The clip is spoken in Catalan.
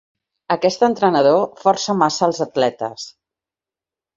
Aquest entrenador força massa els atletes.